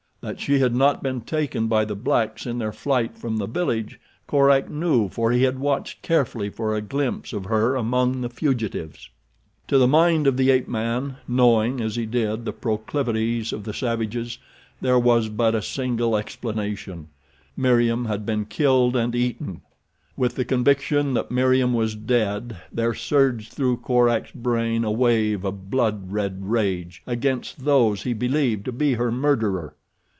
That she had not been taken by the blacks in their flight from the village Korak knew for he had watched carefully for a glimpse of her among the fugitives. To the mind of the ape man, knowing as he did the proclivities of the savages, there was but a single explanation—Meriem had been killed and eaten. With the conviction that Meriem was dead there surged through Korak's brain a wave of blood red rage against those he believed to be her murderer.